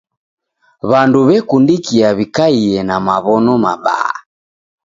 W'andu w'ekundikia w'ikaie na maw'ono mabaa.